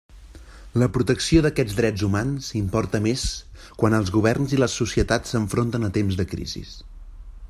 La protecció d'aquests drets humans importa més quan els governs i les societats s'enfronten a temps de crisis.